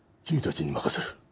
君たちに任せる。